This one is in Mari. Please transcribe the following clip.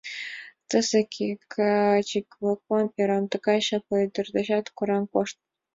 Тысе каче-влаклан ӧрам: тыгай чапле ӱдыр дечат кораҥ коштыт.